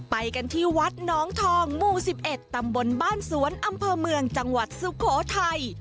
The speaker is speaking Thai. ไปกันที่วัดน้องทองหมู่๑๑ตำบลบ้านสวนอำเภอเมืองจังหวัดสุโขทัย